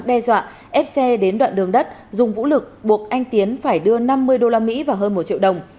đe dọa ép xe đến đoạn đường đất dùng vũ lực buộc anh tiến phải đưa năm mươi usd vào hơn một triệu đồng